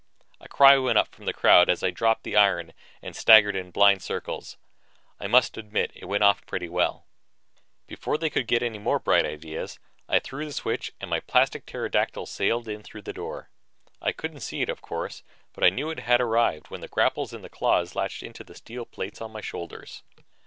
A cry went up from the crowd as I dropped the iron and staggered in blind circles. I must admit it went off pretty well. Before they could get any more bright ideas, I threw the switch and my plastic pterodactyl sailed in through the door. I couldn't see it, of course, but I knew it had arrived when the grapples in the claws latched onto the steel plates on my shoulders.